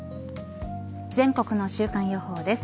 全国の週間予報です。